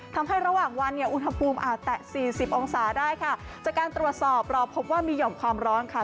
ทำให้ระหว่างวันเนี่ยอุณหภูมิอาจแตะสี่สิบองศาได้ค่ะจากการตรวจสอบเราพบว่ามีห่อมความร้อนค่ะ